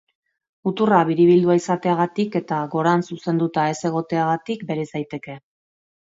Muturra biribildua izateagatik eta gorantz zuzenduta ez egoteagatik, bereiz daiteke.